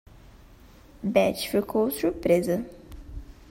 Betty ficou surpresa.